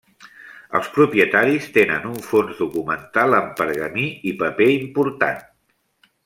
Els propietaris tenen un fons documental en pergamí i paper important.